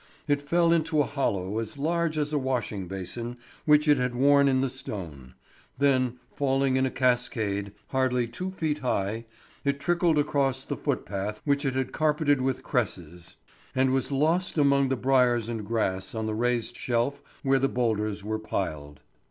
It fell into a hollow as large as a washing basin which it had worn in the stone; then, falling in a cascade, hardly two feet high, it trickled across the footpath which it had carpeted with cresses, and was lost among the briers and grass on the raised shelf where the boulders were piled.